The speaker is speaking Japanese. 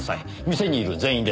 店にいる全員です。